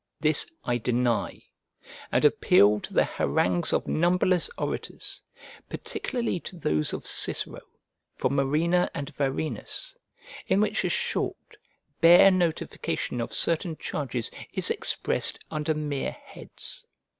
This I deny; and appeal to the harangues of numberless orators, particularly to those of Cicero, for Murena and Varenus, in which a short, bare notification of certain charges is expressed under mere heads.